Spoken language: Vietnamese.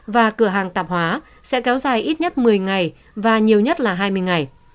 và cửa hàng tạp hóa sẽ kéo dài ít nhất một mươi ngày và nhiều nhất là hai mươi ngày